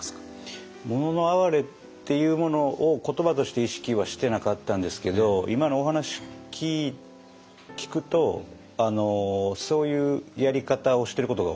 「もののあはれ」っていうものを言葉として意識はしてなかったんですけど今のお話聞くとそういうやり方をしてることが多いですね。